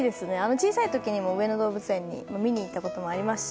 小さいころに上野動物園に見に行ったことありますね。